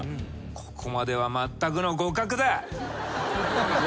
ここまではまったくの互角だ。